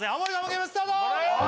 ゲームスタート